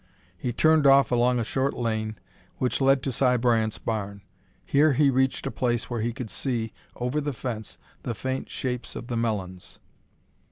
He turned off along a short lane which led to Si Bryant's barn. Here he reached a place where he could see, over the fence, the faint shapes of the melons.